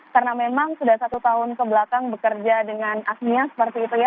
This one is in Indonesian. karena memang sudah satu tahun kebelakang bekerja dengan agnia seperti itu ya